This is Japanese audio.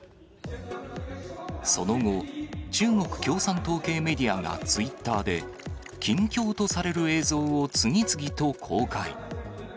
その後、中国共産党系メディアがツイッターで、近況とされる映像を次々と公開。